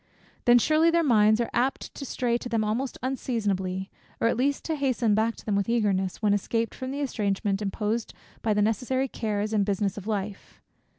Then surely their minds are apt to stray to them almost unseasonably; or at least to hasten back to them with eagerness, when escaped from the estrangment imposed by the necessary cares and business of life.